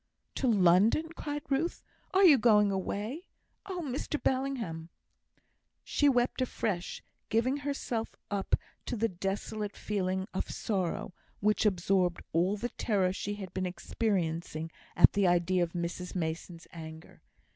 "To London!" cried Ruth; "are you going away? Oh, Mr Bellingham!" She wept afresh, giving herself up to the desolate feeling of sorrow, which absorbed all the terror she had been experiencing at the idea of Mrs Mason's anger.